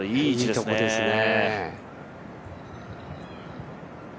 いいところですね。